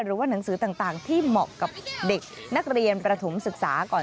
หรือว่าหนังสือต่างที่เหมาะกับเด็กนักเรียนประถมศึกษาก่อน